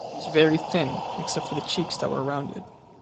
He was very thin, except for the cheeks that were rounded